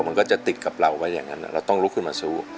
มันก็จะติดกับเราไว้อย่างนั้นเราต้องลุกขึ้นมาสู้